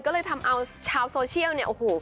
ก็เลยทำเอาชาวโซเชียลเนี้ย